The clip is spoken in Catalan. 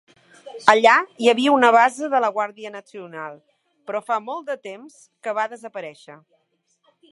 Allà hi havia una base de la Guàrdia Nacional, però fa molt de temps que va desaparèixer.